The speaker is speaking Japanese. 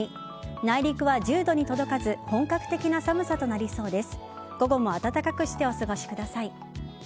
内陸は１０度に届かず本格的な寒さとなりそうです。